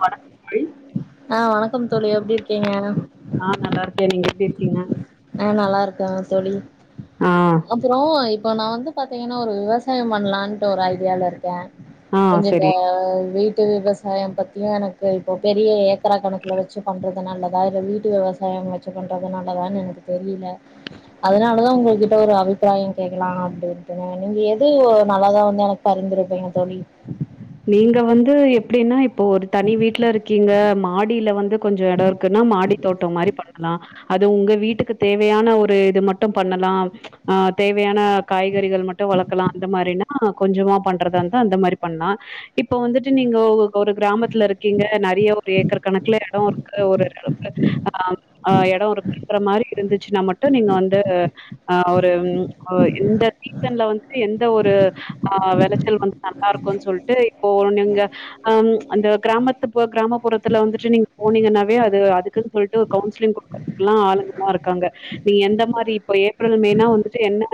வணக்கம் தோழி ஆ வணக்கம் தோழி எப்டி இருக்கீங்க ஆ நல்லா இருக்கே நீங்க எப்டி இருக்கீங்க ஆ நல்லாருக்கே தோழி ஆ அப்புறொ இப்ப நா வந்து பாத்தீங்கன்னா ஒரு விவசாயம் பண்லான்ட்டு ஒரு ஐடியால இருக்கே ஆ கொஞ்சோ இந்த செரி வீட்டு விவ சாயம் பத்தியு எனக்கு இப்போ பெரிய ஏக்கரா கணக்கில வச்சி பண்றது நல்லதா இல்ல வீட்டு விவசாயம் வச் சி பண்றது நல்லதான்னு எனக்கு தெரியல அதனாலதா உங்க கிட்ட ஒரு அபிப்பிராயம் கேட்கலா அப்டின்டுதா நீங்க எது நல்லாதா இருந்தா எனக்கு மறந்துருப்பீங்க தோழி நீங்க வந்து எப்டின்னா இப்போ ஒரு தனி வீட்ல இருக்கீங்க மாடில வந்து கொஞ்சொ எட இருக்குன்னா மாடி தோட்டம் மாரி பண்ணலா அது உங்க வீட்டுக்கு தேவையான ஒரு இது மட்டும் பண்ணலா ஆ தேவையான காய்கறிகள் மட்டு வளக்கலா அந்த மாரினா கொஞ்சமா பண்றதாருந்தா அந்த மாரி பண்லா இப்ப வந்துட்டு நீங்க ஒரு கிராமத்துல இருக்கீங்க நெறைய ஒரு ஏக்கர் கணக்குல எட இருக்கு ஒரு க்ரௌண்ல ஆ ஆ எட இருக்குன்ற மாரி இருந்துச்சுன்னா மட்டு நீங்க வந்து ஆ ஒரு இந்த சீசன்ல வந்து எந்த ஒரு ஆ வெளச்சல் வந்து நல்லா இருக்குன் சொல்ட்டு இப்போ நீங்க ஆ அந்த கிராமத்து போ கிராமப்புறத்துல வந்துட்டு நீங்க போனீங்கன்னாவே அது அதுக்குன் சொல்ட்டு ஒரு கவுன்சிலிங் குடுப் அதுக்குல்லா ஆளுங்கல்லா இருக்காங்க நீங்க எந்த மாரி இப்ப ஏப்ரல் மேனா வந்துட்டு என்ன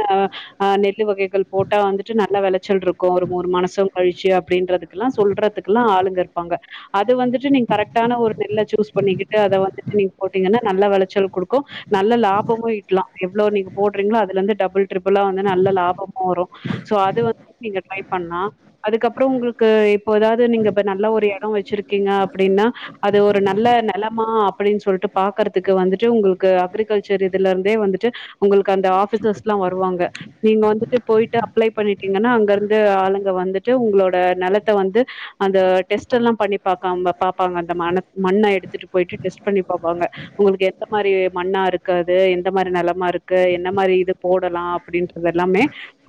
ஆ நெல்லு வகைகள் போட்டா வந்துட்டு நல்ல வெளைச்சல்ருக்கு ஒரு மூணு மனசம் கழிச்சு அப்படின்றதுக்குலா சொல்றதுக்குல்லா ஆளுங்க இருப்பாங்க அது வந்துட்டு நீங்க கரெக்ட்டான ஒரு நெல்லை சூஸ் பண்ணிக்கிட்டு அத வந்துட்டு நீங்க போட்டீங்கன்னா நல்ல வெளச்சல் குடுக்கு நல்ல லாபமு ஈட்லா எவ்ளோ நீங்க போடுறீங்களோ அதுல இருந்து டபுள் ட்ரிபிளா வந்து நல்ல லாபமு வரும் சோ அது வந்து நீங்க ட்ரை பண்லா அதுக்கப் புறோ உங்களுக்கு இப்போ எதாவது நீங்க இப்ப நல்ல ஒரு எட வச்சிருக்கீங்க அப்டின்னா அது ஒரு நல்ல நெலமா அப்டின் சொல்ட்டு பாக்குறதுக்கு வந்துட்டு உங்களுக்கு அக்ரிகல்ச்சர் இதுலருந்தே வந்துட்டு உங்களுக்கு அந்த ஆஃபிசர்ஸ்லா வருவாங்க நீங்க வந்துட்டு போய்ட்டு அப்ளே பண்ணிட்டீங்கன்னா அங்க இருந்து ஆளுங்க வந்துட்டு உங்களோட நெலத்த வந்து அந்த டெஸ்ட் எல்லா பண்ணி பாக்க பாப்பாங்க அந்த மன மண்ண எடுத்துட்டு போயிட்டு டெஸ்ட் பண்ணி பாப்பாங்க உங்களுக்கு எந்த மாரி மண்ணா இருக்கு அது எந்த மாரி நெலமா இருக்கு எந்த மாரி இது போடலா அப்டீன்றது எல்லாமே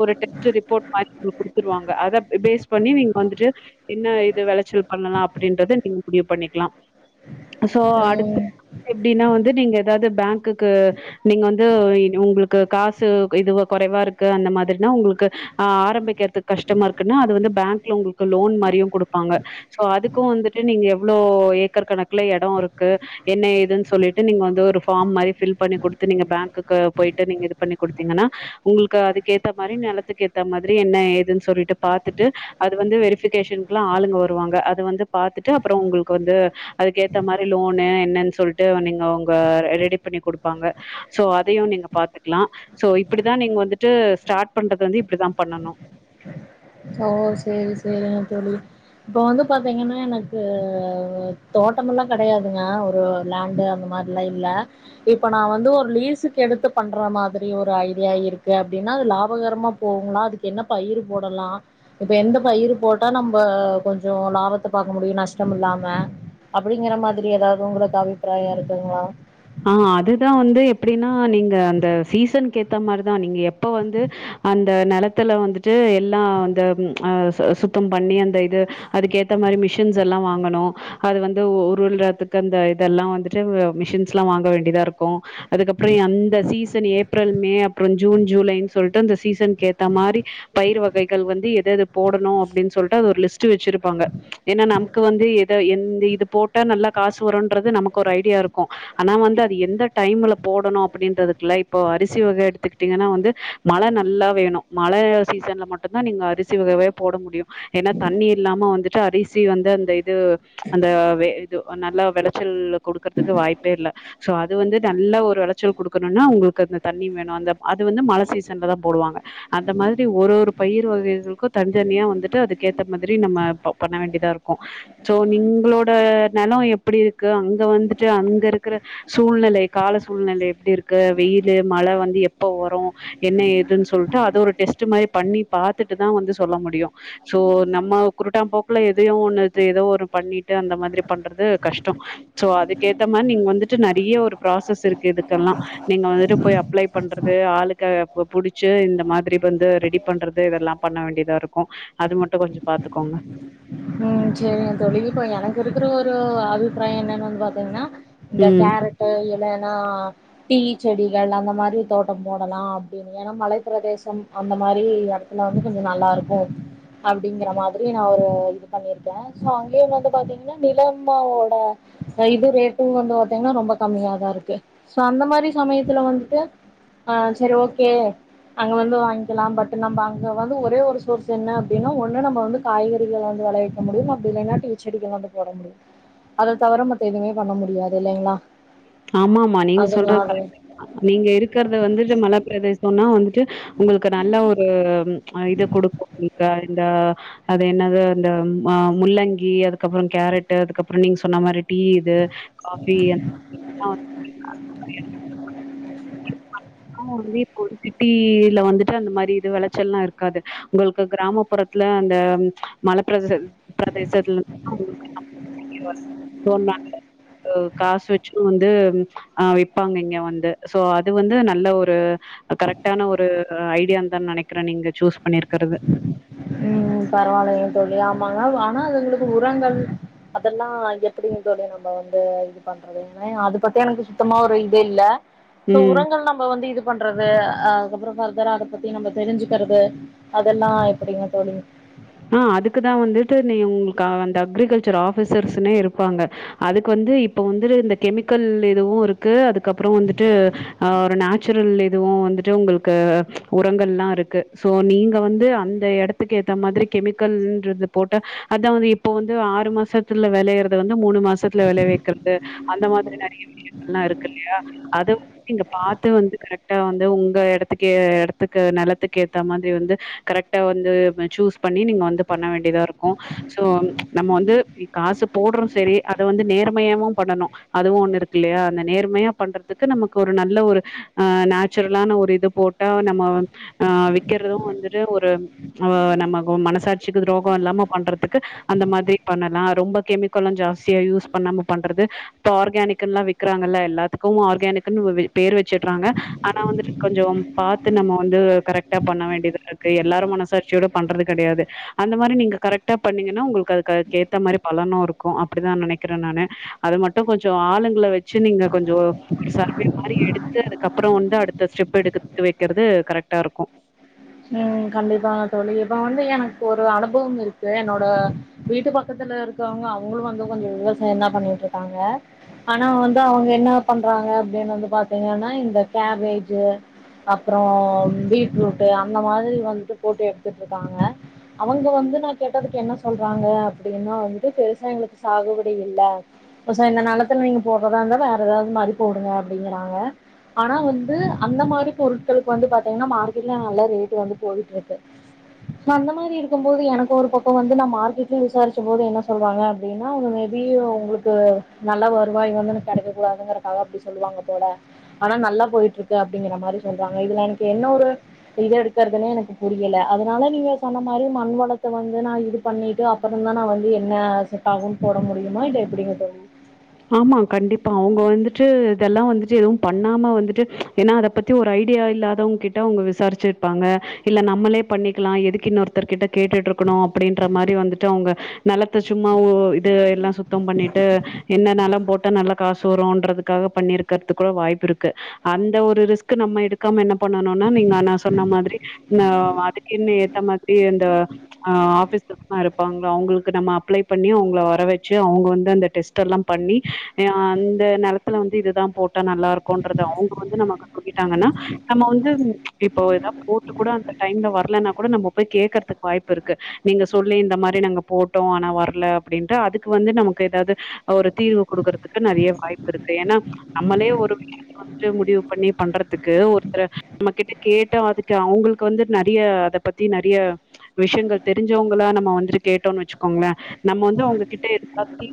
ஒரு டெஸ்ட் ரிப்போர்ட் மாரி குடுத்துருவாங்க அத பேஸ் பண்ணி நீங்க வந்துட்டு என்ன இது வெளச்சல் பண்ணலா அப்டின்றத நீங்க முடிவு பண்ணிக்கலா சோ அடுத்த ம் [inaudible] எப்படின்னா வந்து நீங்க எதாது பேங்க்குக்கு நீங்க வந்து உங்களுக்கு காசு இது கொறைவா இருக்கு அந்த மாதிரினா உங்களுக்கு ஆ ஆரம்பிக்கறதுக்கு கஷ்டமா இருக்குன்னா அது வந்து பேங்க்ல உங்களுக்கு லோன் மாரியு குடுப்பாங்க சோ அதுக்கு வந்துட்டு நீங்க எவ்ளோ ஏக்கர் கணக்குல எட இருக்கு என்ன ஏதுன்னு சொல்லிட்டு நீங்க வந்து ஒரு ஃபார்ம் மாரி ஃபில் பண்ணி கொடுத்து நீங்க பேங்க்குக்கு போய்ட்டு நீங்க இது பண்ணி குடுத்தீங்கன்னா உங்களுக்கு அதுக் ஏத்த மாரி நெலத்துக்கு ஏத்த மாதிரி என்ன ஏதுன் சொல்லிட்டு பாத்து ட்டு அது வந்து வெரிபிகேஷன்குலா ஆளுங்க வருவாங்க அது வந்து பாத்துட்டு அப்புற உங்களுக்கு வந்து அதுக்கேத்த மாரி லோனு என்னன் சொல்லிட்டு நீங்க உங்க ரெடி பண்ணி குடுப்பாங்க சோ அதயு நீங்க பாத்துக்கலா சோ இப்டிதா நீங்க வந்துட்டு ஸ்டார்ட் பண்றது வந்து இப்டிதா பண்ணணு ஓ சேரி சேரிங்க தோழி இப்ப வந்து பாத்தீங்கன்னா எனக்கு தோட்டமெல்லா கெடையாதுங்க ஒரு லாண்டு அந்த மா லைன்ல இப்ப நா வந்து ஒரு லீசுக்கு எடுத்து பண்ற மாதிரி ஒரு ஐடியா இருக்கு அப்படின்னா அது லாபகரமாக போகுன்னா அதுக்கு என்ன பயிரு போடலா இப்ப எந்த பயிரு போட்டா நம்ப கொஞ்ச லாபத்த பாக்க முடியு நஷ்ட இல்லாம அப்டிங்கிற மாதிரி ஏதாவது உங்களுக்கு அபிப்பிராயம் இருக்குதுங்களா ஆ அதுதா வந்து எப்டின்னா நீங்க அந்த சீசன்க்கு ஏத்த மாரிதா நீங்க எப்ப வந்து அந்த நெலத்துல வந்துட்டு எல்லா அந்த அ சுத்தம் பண்ணி அந்த இது அதுக்கேத்த மாரி மிஷின்ஸ் எல்லா வாங்கணு அது வந்து உருள்றதுக்கு அந்த இதெல்லா வந்துட்டு மிஷின்ஸ்லா வாங்க வேண்டியதா இருக்கு அதுக்கப்புற எந்த சீசன் ஏப்ரல் மே அப்புற ஜூன் ஜூலைன் சொல்ட்டு அந்த சீசன்க்கு ஏத்த மாரி பயிர் வகைகள் வந்து எது எது போடணு அப்டின்னு சொல்ட்டு அது ஒரு லிஸ்ட் வெச்சிருப்பாங்க ஏன்னா நமக்கு வந்து எத எந்த இது போட்டா நல்லா காசு வருன்றது நமக்கு ஒரு ஐடியா இருக்கு ஆனா வந்து அது எந்த டைம்ல போடணு அப்டின்றதுக்குல்ல இப்ப அரிசி வக எடுத்துக்கிட்டீங்கன்னா வந்து மழ நல்லா வேணு மழ சீசன்ல மட்டுதா நீங்க அரிசி வகையவே போட முடியு ஏன்னா தண்ணி இல்லாம வந்துட்டு அரிசி வந்து அந்த இது அந்த வெ இது நல்லா வெளச்சல் குடுக்குறதுக்கு வாய்ப்பே இல்ல சோ அது வந்து நல்லா ஒரு வெளச்சல் குடுக்கணுனா உங்களுக்கு அந்த தண்ணி வேணு அந்த அது வந்து மழ சீசன்ல தா போடுவாங்க அந்த மாதிரி ஒரு ஒரு பயிர் வகைகளுக்கு தனித்தனியா வந்துட்டு அதுக்கேத்த மாதிரி நம்ம ப பண்ண வேண்டியதா இருக்கு சோ நிங்களோட நெலோ எப்டி இருக்கு அங்க வந்துட்டு அங்க இரு இருக்குற சூழ்நிலை கால சூழ்நிலை எப்டி இருக்கு வெயிலு மழ வந்து எப்ப வரு என்ன ஏதுன் சொல்ட்டு அத ஒரு டெஸ்ட்டு மாரி பண்ணி பாத்துட்டுதா வந்து சொல்ல முடியு சோ நம்ம குறட்டா போக்குல எதையோ ஒண்ணுது ஏதோ ஒரு பண்ணிட்டு அந்த மாதிரி பண்றது கஷ்டொ சோ அதுக்கேத்த மாரி நீங்க வந்துட்டு நெறைய ஒரு ப்ராசஸ் இருக்கு இதுக்கெல்லா நீங்க வந்துட்டு போய் அப்ளை பண்றது ஆளுக்கு பு புடிச்சு இந்த மாதிரி வந்து ரெடி பண்றது இதெல்லா பண்ண வேண்டியதா இருக்கு அது மட்டு கொஞ்ச பாத்துக்கோங்க ம் சேரிங்க தோழி இப்ப எனக்கு இருக்குற ஒரு அபிப்பிராய என்னன்னு வந்து பாத்தீங்கன்னா இந்த ம் கேரட்டு இல்லன்னா டீ செடிகள் அந்த மாரி தோட்ட போடலா அப்டின்னு ஏன்னா மலைப் பிரதேசம் அந்த மாரி எடத்துல வந்து கொஞ்ச நல்லா இருக்கு அப்டிங்குற மாரி நா ஒரு இது பண்ணிருக்கே சோ அங்கேயு வந்து பாத்தீங்கன்னா நிலம்மாவோட சைது ரேட்டுன்னு வந்து பாத்தீங்கன்னா ரொம்ப கம்மியாதா இருக்கு சோ அந்த மாரி சமயத்துல வந்துட்டு ஆ சரி ஓகே அங்க வந்து வாங்கிக்கலா பட் நம்ப அங்க வந்து ஒரே ஒரு சோர்ஸ் என்ன அப்டின்னா ஒன்னு நம்ம வந்து காய்கறிகள வந்து வெளைய க முடியும் அப்டி இல்லைன்னா டீச்செடிகள வந்து போட முடியும் அத தவிர மத்த எதுவுமே பண்ண முடியாது இல்லைங்களா ஆமாமா நீங்க சொல்றது [inaudible] அதனால நீங்க இருக்கறத வந்துட்டு மலப்பிரதேசொனா வந்து ட்டு உங்களுக்கு நல்ல ஒரு ம் இது குடுக்கு இப்ப இந்த அது என்னது அந்த ம் ஆ முள்ளங்கி அதுக்கப்புற கேரட்டு அதுக்கப்புற நீங்க சொன்ன மாரி டீ இது காஃபி [inaudible] [inaudible] நம்ம [unintelligible] சிட்டில வந்துட்டு அந்த மாரி இது வெளச்சல்லா இருக்காது உங்களுக்கு கிராமப்புறத்துல அந்த மல பிரதேசத் பிரதேசத்துல [inaudible] [inaudible] சோ நா அ காசு வெச்சுகுன்னு வந்து ஆ விப்பாங்க இங்க வந்து சோ அது வந்து நல்ல ஒரு கரெக்டான ஒரு ஐடியான் தா நெனைக்கிறே நீங்க சூஸ் பண்ணிருக்கிறது ம் பரவாயில்லங்க தோழி ஆமாங்க ஆனா அதுங்களுக்கு உரங்கள் அதெல்லா எப்டிஙக தோழி நம்ம வந்து இது பண்றது ஏன்னா அது பத்தி எனக்கு சுத்தமா ஒரு இது இல்ல சோ ம். உரங்கள் நம்ம வந்து இது ப்பண்றது அதுக்கப்புற ஃபர்தரா அத பத்தி நம்ம தெரிஞ்சுக்கிறது அதெல்லா எப்டிங்க தோழி ஆ அதுக்குதா வந்துட்டு நீ உங்களுக்கு அந்த அக்ரிகல்ச்சர் ஆஃபிசர்ஸ்னே இருப்பாங்க அதுக்கு வந்து இப்ப வந்து இந்த கெமிக்கல் இதுவு இருக்கு அதுக்கப்புறொ வந்துட்டு ஆ ஒரு நேச்சுரல் இதுவு வந்துட்டு உங்களுக்கு உரங்கள்லா சோ நீங்க வந்து அங்க எட துக்கேத்த மாதிரி கெமிக்கல்ன்றது போட்டா அதா வந்து இப்போ வந்து ஆறு மாசத்துல வெளையறத வந்து மூணு மாசத்துல வெளையவெக் குறது அந்த மாதிரி நெறைய விஷயங்கள்லா இருக்கு இல்லையா அது நீங்க பாத்து வந்து கரெக்டா வந்து உங்க இடத்துக்கே இடத்துக்கு நிலத்துக்கு ஏத்த மாரி வந்து கரெக்டா வந்து சூஸ் பண்ணி நீங்க வந்து பண்ண வேண்டியதா இருக்கு சோ நம்ம வந்து காசு போட்றோ செரி அத வந்து நேர்மையாவு பண்ணணு அதுவு ஒண்ணு இருக்கு இல்லையா அந்த நேர்மையா பண்றதுக்கு நமக்கு ஒரு நல்ல ஒரு ஆ நேச்சுரலான ஒரு இது போட் டா நம்ம ஆ விக்கிறது வந்துட்டு ஒரு ஆ நம்ம மனசாட்சிக்கு துரோக இல்லாம பண்றதுக்கு அந்த மாதிரி பண்ணலா ரொம்ப கெமிக்கலு ஜாஸ்தியா யூஸ் இப்ப நம்ம பண்றது இப்ப ஆர்கானிக்குன்லா விக்கிறாங்கல்ல எல்லாத்துக்கு ஆர்கானிக்குன்னு ஒரு பேர் வெச்சுறாங்க ஆனா வந்துட்டு கொஞ்சோ பார்த்து நம்ம வந்து கரெக்ட்டா பண்ண வேண்டியதா இருக்கு எல்லாரு மனசாச்சியோட பண்றது கடையாது அந்த மாரி நீங்க கரெக்டா பண்ணீங்கனா உங்களுக்கு அது கேத்த மாரி பலனு இருக்கு அப்டிதா நனைக்கிற நானு அது மட்டு கொஞ்சோ ஆளுங்கள வெச்சு நீங்க கொஞ்சோ ஒரு சர்வே மாரி எடுத்து அதுக்கப்பறோ வந்து அடுத்த ஸ்டெப் எடுக் எடுத்து வெக்கிறது கரெக்டா இருக்கு ம் கண்டிப்பா தோழி இப்ப வந்து எனக்கு ஒரு அனுபவம் இருக்கு என்னோட வீட்டு பக்கத்துல இருக்கவங்க அவங்களும் வந்து கொஞ்சோவிவசாயம் தா பண்ணிட்டு இருக்காங்க ஆனா வந்து அவங்க என்ன பண்றாங்க அப்டின்னு வந்து பாத்தீங்கனா இந்த கேபேஜு அப்றோ பீட்ரூட்டு அந்த மாதிரி வந்துட்டு போட்டு எடுத்துட்டு இருக்காங்க அவுங்க வந்து நா கேட்டதுக்கு என்ன சொல்றாங்க அப்டின்னா வந்துட்டு விவசாயங்களுக் சாகுபடி இல்ல ஓ செரி இந்த நிலத்துல நீங்க போட்றதா இருந்தா வேற ஏதாவது மாதிரி போடுங்க அப்டிங்கிறாங்க ஆனா வந்து அந்த மாரி பொருட்களுக்கு வந்து பாத்தீங்கனா மார்க்கெட்ல நல்ல ரேட்டு் வந்து போயிட்டு இருக்கு நா அந்த மாரி இருக்கும் போது எனக்கு ஒரு பக்கம் வந்து நா மார்க்கெட்லயு விசாரிச்ச போது என்ன சொல்றாங்க அப்டின்னா மேபி உங்களு க்கு நல்ல வருவாய் வந்து கிடைக்க கூடாதுங்கறத்துகாக அப்டி சொல்லுவாங்க போல ஆனா நல்லா போயிட்டு இருக்கு அப்டிங்கிற மாரி சொல்றாங்க இதுல எனக்கு என்ன ஒரு இத எடுக்கறதுனே எனக்கு புரியல அதனால நீங்க சொன்ன மாரி மண் வளத்த வந்து நா எடுத் து பண்ணிட்டு அப்பற தா நா வந்து என்ன செட் ஆகுன் போட முடியுமா இல்ல எப்டிங்க தோழி ஆமா கண்டிப்பா அவுங்க வந்துட்டு இதெல்லா வந்துட்டு எதுவு பண்ணாம வந்துட்டு ஏன்னா அத பத்தி ஒரு ஐடியா இல்லாதவங் கிட்ட அவுங்க விசாரிச்சிருப்பாங்க இல்ல நம்மளே பண்ணிக்லா எதுக்கு இன்னொருத்தர் கிட்ட கேட்டுட்டு இருக்கணு அப்டின்ற மாரி வந்துட்டு அவுங்க நிலத்த சும்மா ஊ இது எல்லா சுத்தம் பண்ணிட்டு என்னென்னலாம் போட்டா நல்லா காசு வருன்றதுக்காக பண்ணிருக்கிறதுக் கூட வாய்ப்பு இருக்கு அந்த ஒரு ரிஸ்க் நம்ம எடுக்காம என்ன பண்ணணுனா நீங்க நா சொன்ன மாதிரி ந அதுக்கு என்ன ஏத்த மாதிரி அந்த ஆ ஆஃபிஸ்சர்ஸ்லா இருப்பாங்க அவுங்களுக்கு நம்ம அப்ளை பண்ணி அவுங்கள வர வச்சு அவுங்க வந்து அந்த டெஸ்ட் டல்லா பண்ணி அந்த நிலத்துல வந்து இதுதா போட்டா நல்லா இருக்குன்றது அவுங்க வந்து நமக் சொல்லிடாங்கனா நம்ம வந்து இப்போ ஏதாவது போட்டு கூட அந்த டைம்ல வரலனா கூட நம்ம போய் கேக்குறதுக்கு வாய்ப்பு இருக்கு நீங்க சொல்லி இந்த மாரி நாங்க போட்டோ ஆனா வர்ல அப்டின்டு அதுக்கு வந்து நமக்கு ஏதாவது ஒரு தீர்வு குடுக்குறதுக்கு நெறைய வாய்ப்பு இருக்கு ஏன்னா நம்மளே ஒரு வந்து முடிவு பண்ணி பண்றதுக்கு ஒருத்தர் நம்ம கிட்ட கேட்டோ அதுக்கு அவுங்களுக்கு வந்து நறைய அத பத்தி நறைய விஷயங்கள் தெரிஞ்சவுங்ளா நம்ம வந்துட்டு கேட்டோன் வச்சுக்கோங்ளே நம்ம வந்து அவுங்க கிட்ட எல்லாத்தையு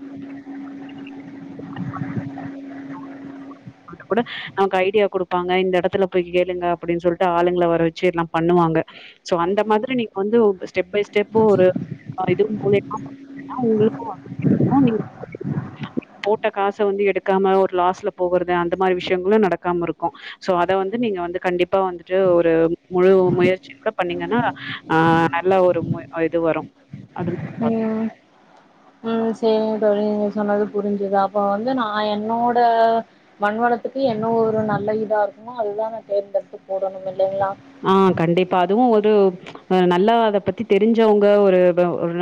வந்து கூட நமக்கு ஐடியா குடுப்பாங்க இந்த இடத்துல போய் கேளுங்க அப்படின் சொல்ட்டு ஆளுங்கள வர வச்சு எல்லா பண்ணுவாங்க சோ அந்த மாதிரி நீங்க வந்து ஸ்டெப் பை ஸ்டெப்பு ஒரு இது மூலியமா [unintelligible] போட்ட காச வந்து எடுக்காம ஒரு லாஸ்ல போகுறது அந்த மாரி விஷயங்களு நடக்காம இருக்கு சோ அத வந்து நீங்க வந்து கண்டிப்பா வந்துட்டு ஒரு முழு முயற்சி க்க பண்ணீங்கன்னா ஆ நல்ல ஒரு மு இது வரு அது ம் ம் சேரிங்க தோழி நீங்க சொன்னது புரிஞ்சுது அப்ப வந்து நா என்னோட மண் வளத்துக்கு என்ன ஒரு நல்ல இதா இருக்குமோ அதுதா நா தேர்ந்தெடுத்து போடணும் இல்லிங்ளா ஆ கண்டிப்பா அதுவும் ஒரு நல்லா அத பத்தி தெரிஞ்சவங்க ஒரு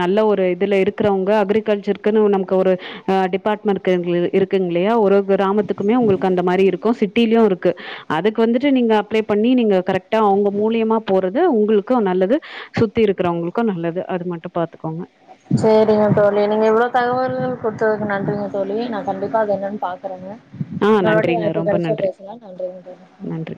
நல்ல ஒரு இதுல இருக்கறவங்க அக்ரிகல்ச்சர் க்கு நமக்கு ஒரு டிபார்ட்மெண்ட்க்கு இருக் இருக்குங்கில்லியா ஒரு ஒரு கிராமத் க்குமே உங்களுக்கு அந்த மாரி இருக்கு சிட்டியிலயு இருக்கு அதுக்கு வந்துட்டு நீங்க அப்ளே பண்ணி நீங்க கரெக்ட் ட்டா அவங்க மூலியமா போறது உங்களுக்கு நல்லது சுத்தி இருக்கிறவங்களுக்கு நல்லது அது மட்டு பாத்துக்கோங்க சேரிங்க தோழி நீங்க இவ்ளோ தகவல்கள் குடுத்ததுக்கு நன்றிங்க தோழி நா கண்டிப்பா அது என்னன்னு பாக்குறேங்க ஆ இன்னொரு வாட்டி நன்றிங்க. வாய்ப்பு ரொம்ப கிட்டச்சா நன்றி. பேசலாம் நன்றிங்க தோழி நன்றி.